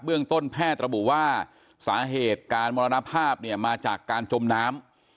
เรื่องต้นแพทย์ระบุว่าสาเหตุการมรณภาพเนี่ยมาจากการจมน้ำ